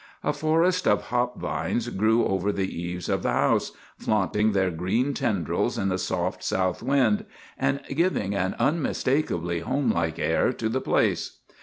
A forest of hop vines grew over the eaves of the house, flaunting their green tendrils in the soft south wind, and giving an unmistakably home like air to the place.